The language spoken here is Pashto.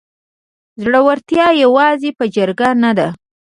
زړورتیا یوازې په جګړه نه ده.